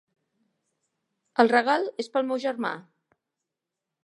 El regal és per al meu germà.